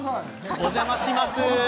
お邪魔します。